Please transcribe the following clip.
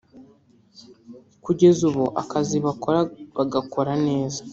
Kugeza ubu akazi bakora bagakora neza